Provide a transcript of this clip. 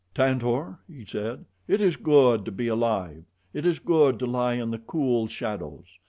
"Tantor," he said, "it is good to be alive. It is good to lie in the cool shadows.